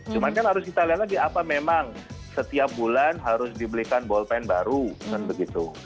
cuman kan harus kita lihat lagi apa memang setiap bulan harus dibelikan bolpen baru kan begitu